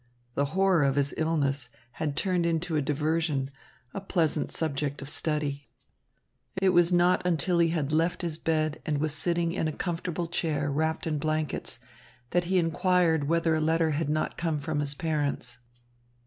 The horror of his illness had turned into a diversion, a pleasant subject of study. It was not until he had left his bed and was sitting in a comfortable chair wrapped in blankets that he inquired whether a letter had not come from his parents.